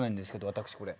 私これ。